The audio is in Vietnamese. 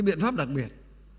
cái biện pháp đặc biệt